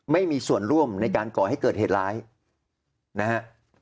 ไม่มีส่วนร่วมในการก่อให้เกิดเหตุร้ายนะฮะ